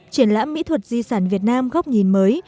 triển lãm mỹ thuật di sản việt nam góc nhìn mới